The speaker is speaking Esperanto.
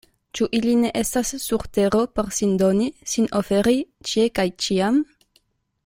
Ĉu ili ne estas sur tero por sin doni, sin oferi, ĉie kaj ĉiam?